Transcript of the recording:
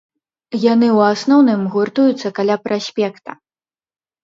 Яны ў асноўным гуртуюцца каля праспекта.